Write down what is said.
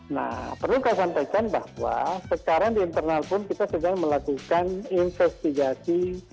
nah perlu saya sampaikan bahwa sekarang di internal pun kita sedang melakukan investigasi